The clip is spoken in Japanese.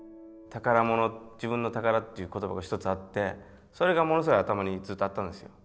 宝物自分の宝っていう言葉が一つあってそれがものすごい頭にずっとあったんです。